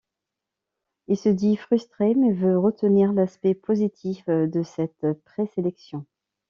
Il se dit frustré mais veut retenir l'aspect positif de cette pré-sélection.